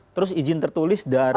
terus izin tertulis dari